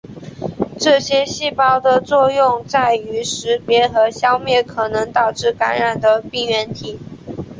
这些细胞的作用在于识别和消灭可能导致感染的病原体。